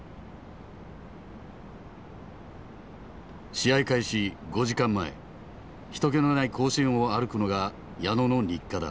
試合開始５時間前人けのない甲子園を歩くのが矢野の日課だ。